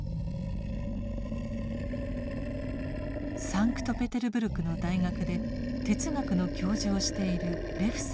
サンクトペテルブルクの大学で哲学の教授をしているレフさん。